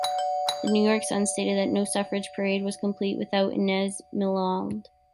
The "New York Sun" stated that "No suffrage parade was complete without Inez Milholland.